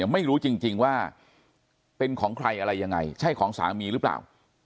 ไม่รู้จริงว่าเป็นของใครอะไรยังไงใช่ของสามีหรือเปล่า